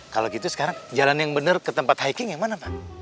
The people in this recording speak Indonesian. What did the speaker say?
kalau gitu sekarang jalan yang bener ke tempat hikingnya mana pak